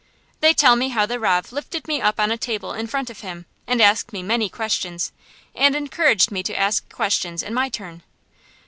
They tell me how the rav lifted me up on a table in front of him, and asked me many questions, and encouraged me to ask questions in my turn.